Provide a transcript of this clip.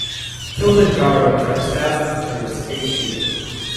Kilimanjaro attracts thousands of tourists each year.